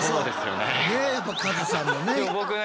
ねっやっぱカズさんのね。